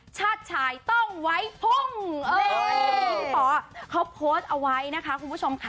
ชาติชายต้องไว้พุ่งพี่ป๋อเขาโพสต์เอาไว้นะคะคุณผู้ชมค่ะ